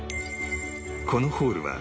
このホールは